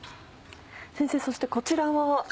先生そしてこちらは。